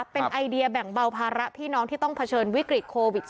เป็นไอเดียแบ่งเบาภาระพี่น้องที่ต้องเผชิญวิกฤตโควิด๑๙